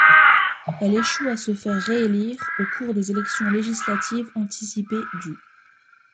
Elle échoue à se faire réélire au cours des élections législatives anticipées du.